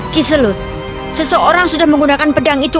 kisselood seseorang sudah menggunakan pedang itu